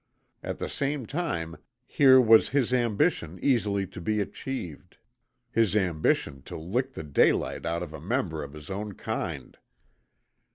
At the same time here was his ambition easily to be achieved his ambition to lick the daylight out of a member of his own kind.